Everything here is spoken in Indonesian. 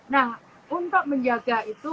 nah untuk menjaga itu